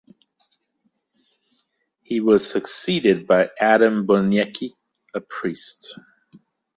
He was succeeded by Adam Boniecki, a priest.